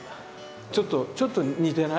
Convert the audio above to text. ちょっとちょっと似てない？